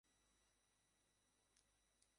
কর্তৃপক্ষ তাদের সিদ্ধান্ত নিজেদের অনুকূলে নিয়ে নেয়।